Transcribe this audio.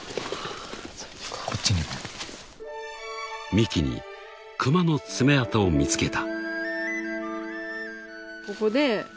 ［幹にクマの爪痕を見つけた］